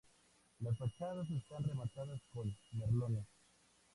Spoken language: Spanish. Las fachadas están rematadas con merlones.